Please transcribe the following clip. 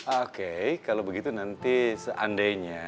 oke kalau begitu nanti seandainya